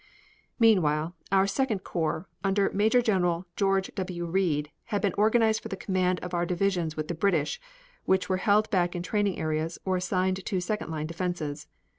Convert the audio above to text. Meanwhile our Second Corps, under Maj. Gen. George W. Read, had been organized for the command of our divisions with the British, which were held back in training areas or assigned to second line defenses.